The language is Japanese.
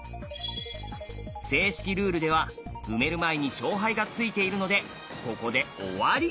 正式ルールでは埋める前に勝敗がついているのでここで終わり。